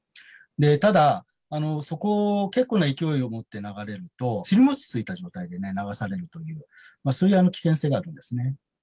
ただ、そこ、結構な勢いを持って流れると、尻餅をついた状態で流されるという、そういう危険性があるんです